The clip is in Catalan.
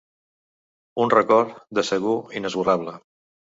Un record, de segur, inesborrable.